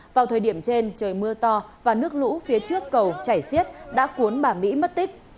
vào thời điểm trên trời mưa to và nước lũ phía trước cầu chảy xiết đã cuốn bà mỹ mất tích